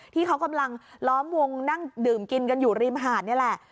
ที่เขากำลังล้อมวงนั่งดื่มกินกันอยู่ริมหาดนี่แหละ